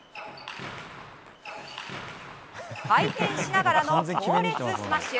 回転しながらの強烈スマッシュ。